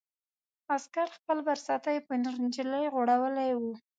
عسکر خپله برساتۍ پر نجلۍ غوړولې وه.